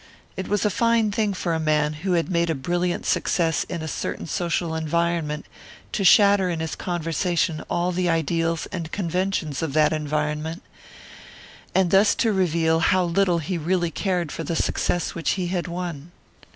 It was a fine thing for a man who had made a brilliant success in a certain social environment to shatter in his conversation all the ideals and conventions of that environment, and thus to reveal how little he really cared for the success which he had won.